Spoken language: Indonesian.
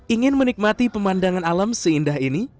ingin menikmati pemandangan alam seindah ini